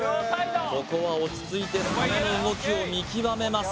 ここは落ち着いてサメの動きを見極めます